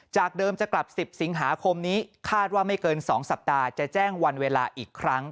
จากเดิมจะกลับ๑๐สิงหาคมนี้คาดว่าไม่เกิน๒สัปดาห์จะแจ้งวันเวลาอีกครั้ง